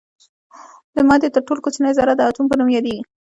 د مادې تر ټولو کوچنۍ ذره د اتوم په نوم یادیږي.